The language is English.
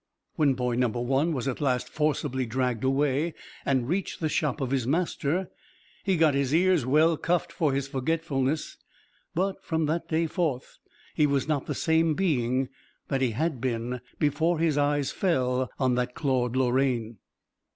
When boy Number One was at last forcibly dragged away, and reached the shop of his master, he got his ears well cuffed for his forgetfulness. But from that day forth he was not the same being that he had been before his eyes fell on that Claude Lorraine.